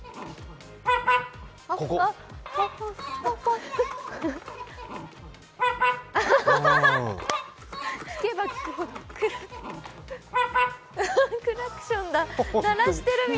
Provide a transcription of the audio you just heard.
ファンファン聞けば聞くほどクラクションだ。